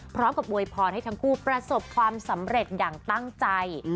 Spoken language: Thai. อวยพรให้ทั้งคู่ประสบความสำเร็จอย่างตั้งใจ